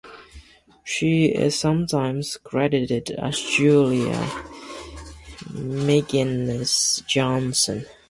She is sometimes credited as Julia Migenes-Johnson.